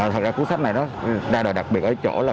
thật ra cuốn sách này nó ra đời đặc biệt ở chỗ là